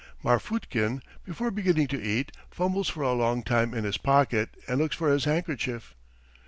Marfutkin, before beginning to eat, fumbles for a long time in his pocket and looks for his handkerchief.